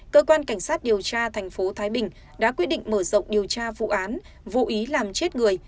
cơ quan cảnh sát điều tra thành phố thái bình đã quyết định mở rộng điều tra vụ án vô ý làm chết người